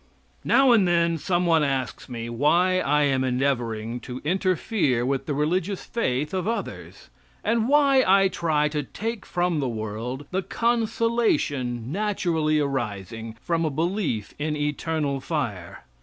Now and then some one asks me why I am endeavoring to interfere with the religious faith of others, and why I try to take from the world the consolation naturally arising from a belief in eternal fire.